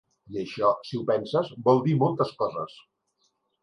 I això, si ho penses, vol dir moltes coses.